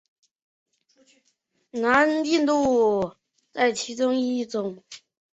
南印度洋穆氏暗光鱼为辐鳍鱼纲巨口鱼目褶胸鱼科的其中一种。